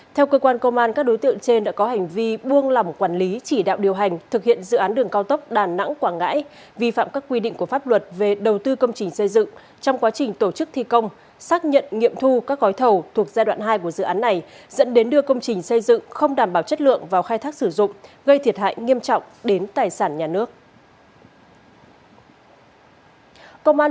theo cơ quan công an các đối tượng trên đã có hành vi buông lòng quản lý chỉ đạo điều hành thực hiện dự án đường cao tốc đà nẵng quảng ngãi vi phạm các quy định của pháp luật về đầu tư công trình xây dựng trong quá trình tổ chức thi công xác nhận nghiệm thu các gói thầu thuộc giai đoạn hai của dự án này dẫn đến đưa công trình xây dựng không đảm bảo chất lượng vào khai thác sử dụng gây thiệt hại nghiêm trọng đến tài sản nhà nước